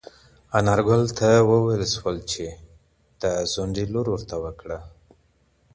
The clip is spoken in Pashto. انارګل ته وویل شول چې د ځونډي لور ورته وکړه.